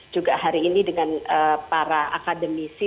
juga hari ini dengan para akademisi